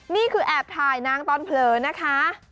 นี่คือแอบถ่ายนางตอนเผลอนะคะ